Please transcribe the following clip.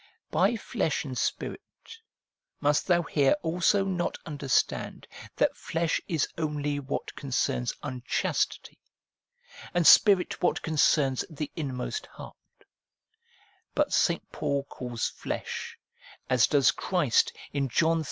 By ' Flesh ' and ' Spirit ' must thou here also not understand, that ' Flesh ' is only what PROLOGUE TO ROMANS 337 concerns unchastity, and ' Spirit ' what concerns the inmost heart ; but St. Paul calls flesh, as does Christ in John hi.